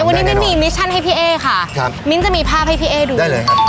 วันนี้มิ้นมีมิชชั่นให้พี่เอ๊ค่ะครับมิ้นจะมีภาพให้พี่เอ๊ดูได้เลยครับ